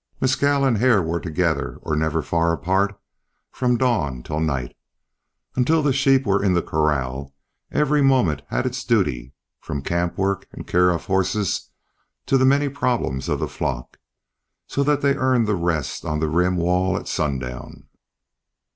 Mescal and Hare were together, or never far apart, from dawn to night. Until the sheep were in the corral, every moment had its duty, from camp work and care of horses to the many problems of the flock, so that they earned the rest on the rim wall at sundown.